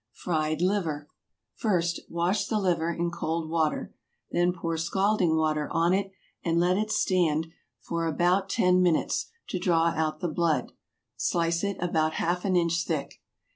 FRIED LIVER. First, wash the liver in cold water, then pour scalding water on it and let it stand for about ten minutes to draw out the blood; slice it about half an inch thick.